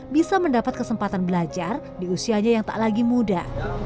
bisa mendapat kesempatan belajar di usianya yang tak lagi muda